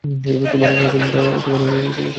তোমার আলো জ্বালাও!